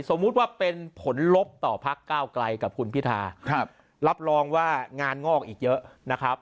สมมุติว่าเป็นผลลบต่อพักก้าวไกลกับคุณพิธารับรองว่างานงอกอีกเยอะนะครับ